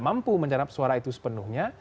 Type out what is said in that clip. mampu menjawab suara itu sepenuhnya